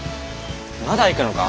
まだ行くのか？